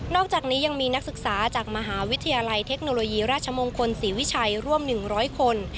อกจากนี้ยังมีนักศึกษาจากมหาวิทยาลัยเทคโนโลยีราชมงคลศรีวิชัยร่วม๑๐๐คน